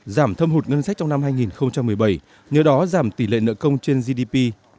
giảm thâm hụt ngân sách trong năm hai nghìn một mươi bảy nhờ đó giảm tỷ lệ nợ công trên gdp